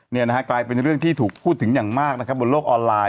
นี่เป็นเรื่องที่ถูกพูดถึงอย่างมากบนโลกออนไลน์